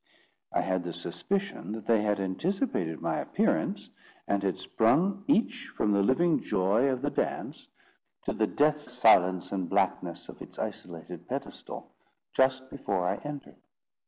I had the suspicion that they had anticipated my appearance, and had sprung, each, from the living joy of the dance, to the death silence and blackness of its isolated pedestal, just before I entered.